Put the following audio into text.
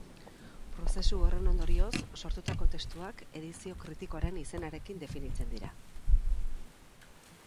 Prozesu horren ondorioz sortutako testuak edizio kritikoaren izenarekin definitzen dira.